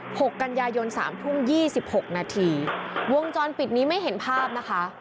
หกกันยายนสามทุ่มยี่สิบหกนาทีวงจรปิดนี้ไม่เห็นภาพนะคะ